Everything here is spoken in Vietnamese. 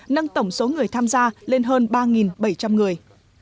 nâng tổng số người tham gia lên hơn ba bảy trăm linh người